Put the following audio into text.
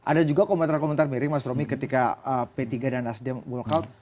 ada juga komentar komentar miring mas romy ketika p tiga dan nasdem walk out